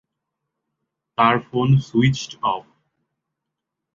তার phone switched of.